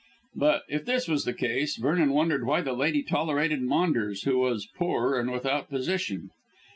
But if this was the case, Vernon wondered why the lady tolerated Maunders, who was poor and without position.